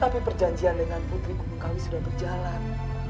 tapi perjanjian dengan putri gungkawi sudah berjalan